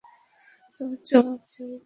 তোমার চুমোর চেয়েও ভালো।